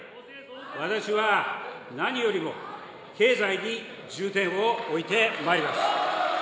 私は何よりも経済に重点を置いてまいります。